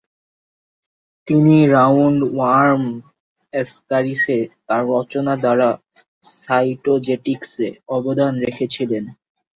তিনি রাউন্ডওয়ার্ম অ্যাসকারিসে তাঁর রচনা দ্বারা সাইটোজেটিক্সে অবদান রেখেছিলেন।